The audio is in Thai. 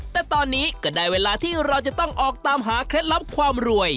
แต่ตอนนี้ก็ได้เวลาที่เราจะต้องออกตามหาเคล็ดลับความรวย